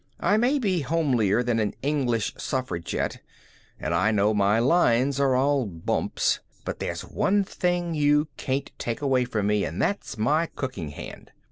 I may be homelier than an English suffragette, and I know my lines are all bumps, but there's one thing you can't take away from me, and that's my cooking hand.